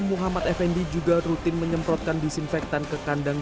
muhammad effendi juga rutin menyemprotkan disinfektan ke kandang